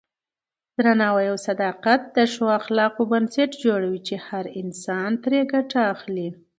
درناوی او صداقت د ښو اخلاقو بنسټ جوړوي چې هر انسان پرې ګټه اخلي.